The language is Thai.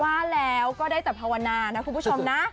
ว่าแล้วก็ได้แต่ภาวนานะคุณผู้ชมนะ